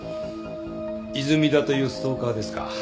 泉田というストーカーですか？